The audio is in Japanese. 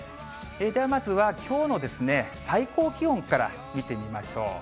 ではまずはきょうの最高気温から見てみましょう。